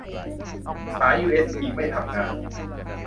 สายยูเอสบีไม่ทำงาน